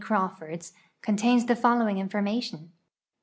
Crnwl'onls contains the following infornuition.